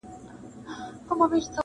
پر هوښار طوطي بې حده په غوسه سو!